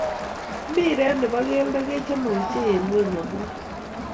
Mpiret ne bo kelto kechome ochei eng ngony komugul.